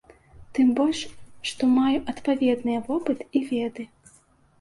Тым больш, што маю адпаведныя вопыт і веды.